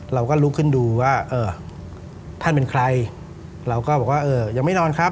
เราก็ลุกขึ้นดูว่าเออท่านเป็นใครเราก็บอกว่าเออยังไม่นอนครับ